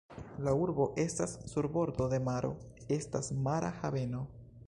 La urbo estas sur bordo de maro, estas mara haveno.